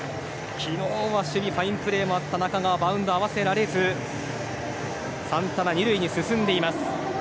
昨日は守備ファインプレーもあった中川バウンド合わせられずサンタナ、２塁へ進んでいます。